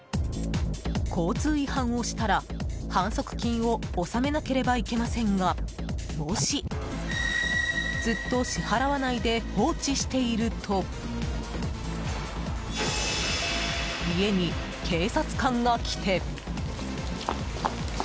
交通違反をしたら反則金を納めなければいけませんがもし、ずっと支払わないで放置していると家に警察官が来て。